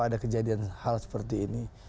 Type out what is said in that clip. ada kejadian hal seperti ini